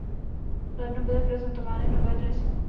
V lednu byly prezentovány nové dresy.